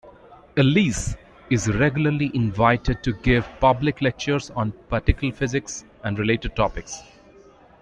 Ellis is regularly invited to give public lectures on particle physics and related topics.